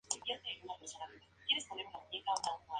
Trabajó en la mayoría de los canales de televisión limeños.